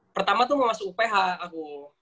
pertama tuh mau masuk uph aku